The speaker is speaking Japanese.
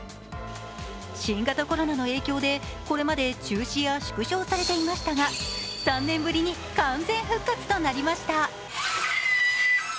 新型コロナの影響でこれまで中止や縮小されていましたが３年ぶりに完全復活となりました。